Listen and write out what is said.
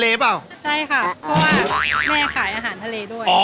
เปล่าใช่ค่ะเพราะว่าแม่ขายอาหารทะเลด้วย